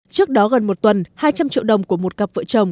trước đó gần một tuần hai trăm linh triệu đồng của một cặp vợ chồng